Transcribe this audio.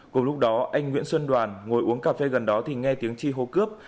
cùng lúc đó anh nguyễn xuân đoàn ngồi uống cà phê gần đó thì nghe tiếng chi hô cướp